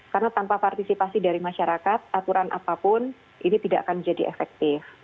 karena tanpa partisipasi dari masyarakat aturan apapun ini tidak akan menjadi efektif